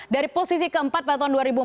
dari posisi keempat pada tahun dua ribu empat